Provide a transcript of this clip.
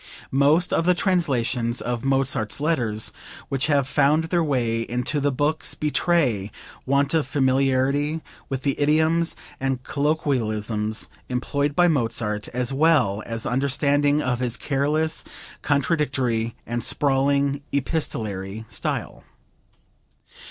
Most of the translations of Mozart's letters which have found their way into the books betray want of familiarity with the idioms and colloquialisms employed by Mozart, as well as understanding of his careless, contradictory and sprawling epistolary style.